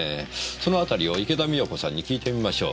そのあたりを池田美代子さんに訊いてみましょう。